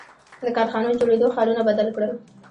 • د کارخانو جوړېدو ښارونه بدل کړل.